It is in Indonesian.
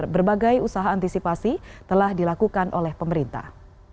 berbagai usaha antisipasi telah dilakukan oleh pemerintah